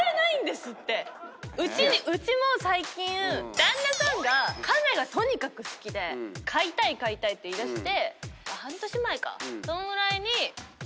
うちも最近旦那さんがカメがとにかく好きで飼いたい飼いたいって言いだして。